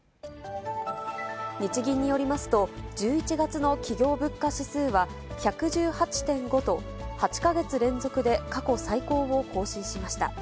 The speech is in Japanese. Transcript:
日銀によりますと、１１月の企業物価指数は１１８．５と、８か月連続で過去最高を更新しました。